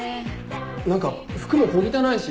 何か服も小汚いし。